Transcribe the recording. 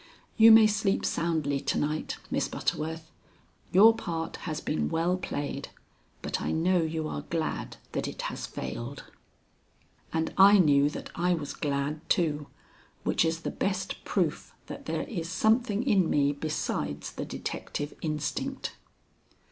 You may sleep soundly to night, Miss Butterworth. Your part has been well played, but I know you are glad that it has failed." And I knew that I was glad, too, which is the best proof that there is something in me besides the detective instinct.